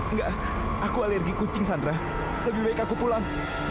enggak aku alergi kucing sandra lebih baik aku pulang